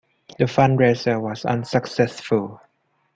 The fundraiser was unsuccessful.